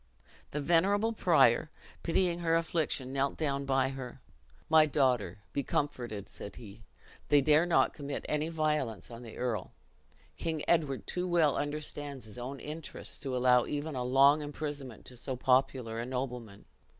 The venerable prior, pitying her affliction, knelt down by her. "My daughter, be comforted," said he; "they dare not commit any violence on the earl. King Edward too well understands his own interest to allow even a long imprisonment to so popular a nobleman."